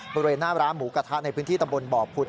บริเวณหน้าร้านหมูกระทะในพื้นที่ตำบลบ่อผุด